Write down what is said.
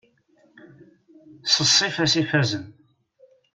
S ssifa-s ifazen.